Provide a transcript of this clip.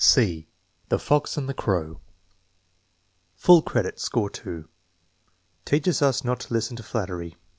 (c) The Fox and the Crow Full credit; score 2. "Teaches us not to listen to flattery."